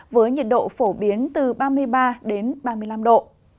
với nhiệt độ phổ biến từ ba mươi ba ba mươi năm độ